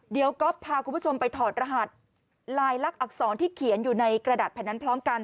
เดี๋ยวก๊อฟพาคุณผู้ชมไปถอดรหัสลายลักษรที่เขียนอยู่ในกระดาษแผ่นนั้นพร้อมกัน